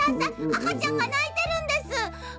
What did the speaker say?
あかちゃんがないてるんです。